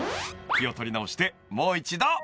［気を取り直してもう一度］